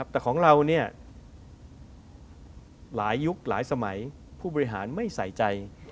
แต่ของเราหลายยุคหลายสมัยผู้บริหารไม่ใส่ใจ